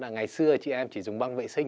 ngày xưa chị em chỉ dùng băng vệ sinh